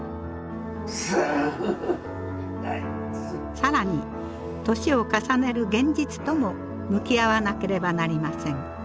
更に年を重ねる現実とも向き合わなければなりません。